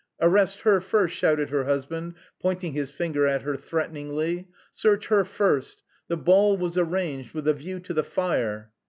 "Arrest her first!" shouted her husband, pointing his finger at her threateningly. "Search her first! The ball was arranged with a view to the fire...."